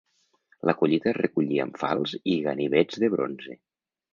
La collita es recollia amb falçs i ganivets de bronze.